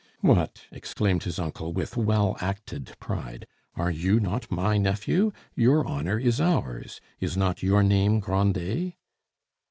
"What!" exclaimed his uncle, with well acted pride, "are you not my nephew? Your honor is ours. Is not your name Grandet?"